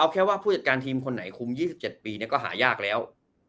แค่ว่าผู้จัดการทีมคนไหนคุม๒๗ปีก็หายากแล้ว